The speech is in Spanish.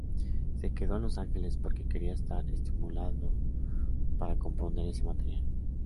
Se quedó en Los Angeles porque quería estar estimulado para componer ese material.